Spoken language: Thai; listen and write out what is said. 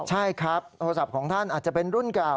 ใช่ครับโทรศัพท์ของท่านอาจจะเป็นรุ่นเก่า